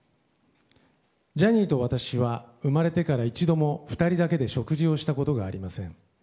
ジャニーと私は生まれてから一度も２人だけで食事をしたことがありません。